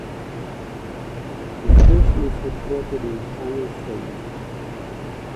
The station is headquartered in Kano State.